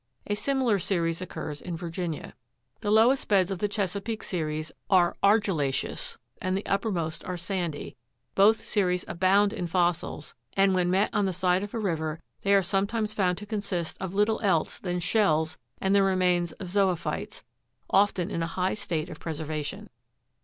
A similar series occurs in Virginia. The lowest beds of the Chesapeake series are argilla' ceous, and the uppermost are sandy ; both series abound in fossils, and when met on the side of a river they are sometimes found to consist of little else than shells and the remains of zo'ophytes, often in a high state of preservation.